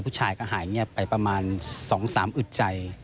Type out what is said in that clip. ผู้ชายก็หายเงียบไปประมาณ๒๓อึดใจ